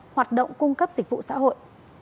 hoạt động cung cấp dịch vụ xã hội